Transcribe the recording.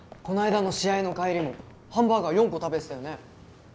この間の試合の帰りもハンバーガー４個食べてたよね？